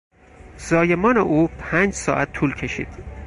زایمان او پنج ساعت طول کشید.